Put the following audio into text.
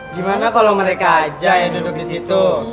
gimana kalau mereka aja yang duduk di situ